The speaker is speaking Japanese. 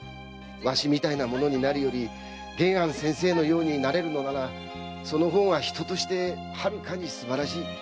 わしみたいな者になるより玄庵先生のようになれるのならその方が人としてはるかに素晴らしい。